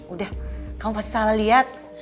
udah kamu pasti salah lihat